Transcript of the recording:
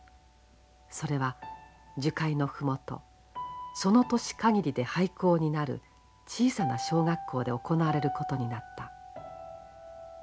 それは樹海の麓その年かぎりで廃校になる小さな小学校で行われることになった。